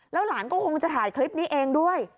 หลานก็คงจะถ่ายคลิปนี้เองด้วย